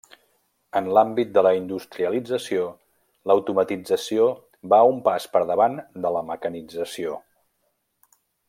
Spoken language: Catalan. En l'àmbit de la industrialització, l'automatització va un pas per davant de la mecanització.